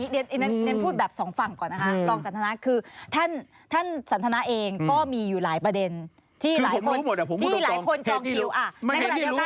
เดี๋ยวนั้นพูดแบบสองฝั่งก่อนนะคะต้องสันทนาคือท่านสันทนาเองก็มีอยู่หลายประเด็นที่หลายคนจองคิว